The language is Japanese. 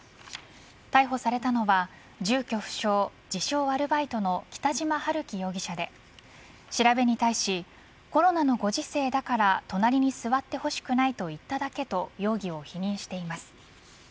逮捕されたのは住居不詳、自称・アルバイトの北島陽樹容疑者で調べに対しコロナのご時世だから隣に座ってほしくないと言っただけと容疑を否認しています。